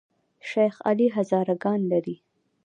شیخ علي هزاره ګان لري؟